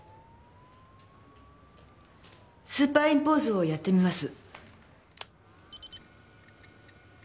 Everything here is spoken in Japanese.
スーパーインポーズをやってみます。